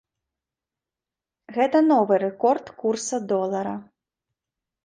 Гэта новы рэкорд курса долара.